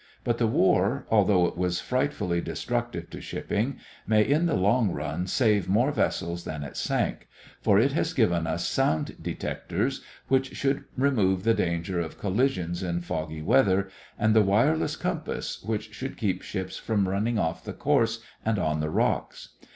But the war, although it was frightfully destructive to shipping, may in the long run save more vessels than it sank; for it has given us sound detectors which should remove the danger of collisions in foggy weather, and the wireless compass, which should keep ships from running off the course and on the rocks.